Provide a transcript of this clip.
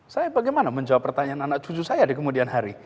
saya bagaimana menjawab pertanyaan anak cucu saya di kemudian hari